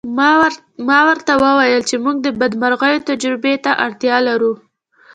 ما ورته وویل چې موږ د بدمرغیو تجربې ته اړتیا لرو